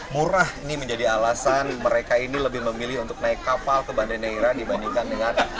murah ini menjadi alasan mereka ini lebih memilih untuk naik kapal ke banda neira dibandingkan dengan